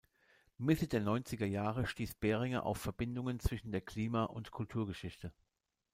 Mitte der neunziger Jahre stieß Behringer auf Verbindungen zwischen der Klima- und Kulturgeschichte.